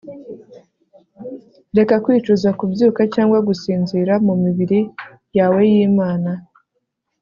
Reka kwicuza kubyuka cyangwa gusinzira mumibiri yawe yimana